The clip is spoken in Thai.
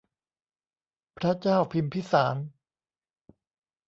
พระเจ้าพิมพิสาร